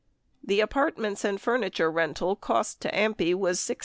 The apartments and furniture rental cost to AMPI was $6,088.